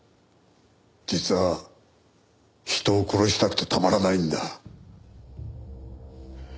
実は人を殺したくてたまらないんだ。